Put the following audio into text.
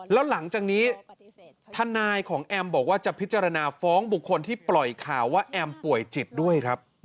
แล้วหลังจากนี้ทนายของแอมบอกว่าจะพิจารณาฟ้องบุคคลที่ปล่อยข่าวว่าแอมป่วยจิตด้วยครับ